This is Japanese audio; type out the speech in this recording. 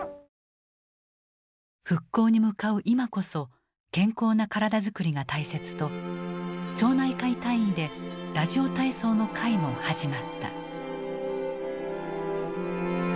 復興に向かう今こそ健康な体づくりが大切と町内会単位でラジオ体操の会も始まった。